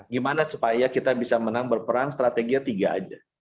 gimana supaya kita bisa menang berperang strateginya tiga aja